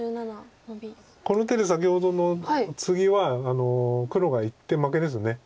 この手で先ほどのツギは黒が１手負けです。